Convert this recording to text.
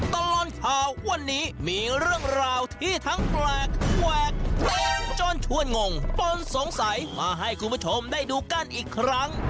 ตลอดข่าววันนี้มีเรื่องราวที่ทั้งแปลกแหวกเต็มจนชวนงงปนสงสัยมาให้คุณผู้ชมได้ดูกันอีกครั้ง